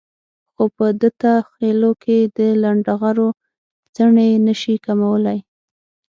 خو په دته خېلو کې د لنډغرو څڼې نشي کمولای.